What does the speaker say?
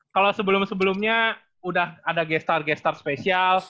kalau sebelum sebelumnya udah ada g star g star spesial